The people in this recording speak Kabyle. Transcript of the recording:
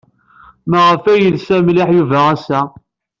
Maɣef ay yelsa mliḥ Yuba ass-a?